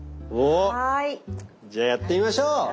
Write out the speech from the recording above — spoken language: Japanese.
おじゃあやってみましょう！